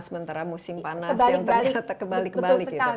sementara musim panas yang ternyata kebalik balik itu